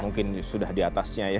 mungkin sudah di atasnya ya